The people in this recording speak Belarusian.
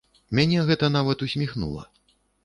Мяне гэта нават усміхнула.